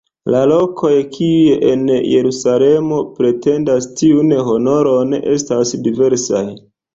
La lokoj kiuj en Jerusalemo pretendas tiun honoron estas diversaj.